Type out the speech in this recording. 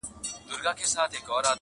له توبې دي په هغه ګړي معذور سم!.